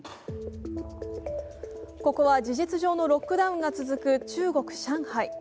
ここは事実上のロックダウンが続く中国・上海。